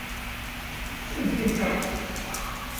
Amek ay faqen?